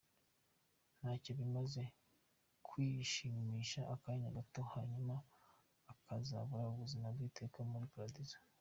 Ntacyo bimaze kwishimisha akanya agato, hanyuma ukazabura ubuzima bw’iteka muli paradizo.